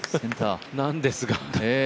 なんですが。